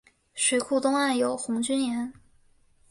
水库东岸有红军岩。